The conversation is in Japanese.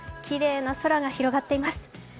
きれいな空が広がっています。